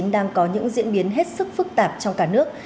đang có những diễn biến hết sức phức tạp trong cả nước